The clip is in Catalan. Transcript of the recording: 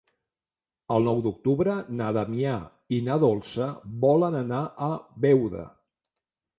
El nou d'octubre na Damià i na Dolça volen anar a Beuda.